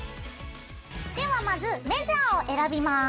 ではまずメジャーを選びます。